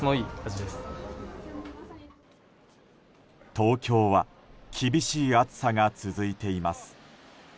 東京は厳しい暑さが続いています。